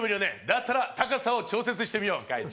だったら高さを調節してみよう。